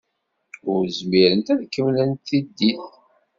Ur zmirent ad kemmlent tiddit.